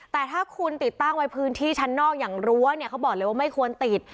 แต่ถ้าคุณติดตั้งไว้พื้นที่ชั้นนอกอย่างรั้วเนี่ยเขาบอกเลยว่าไม่ควรติด